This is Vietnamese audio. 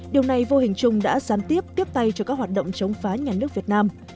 điều này vô hình chung đã gián tiếp tiếp tay cho các hoạt động chống phá nhà nước việt nam